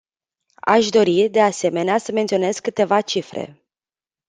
Aș dori, de asemenea, să menționez câteva cifre.